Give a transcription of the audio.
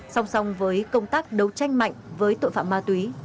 song song với công tác đấu tranh mạnh với tội phạm ma túy